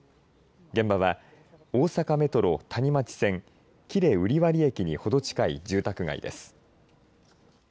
現場は大阪メトロ谷町線喜連瓜破駅にほど近い住宅街です。